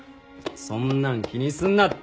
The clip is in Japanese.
そんなん気にすんなって！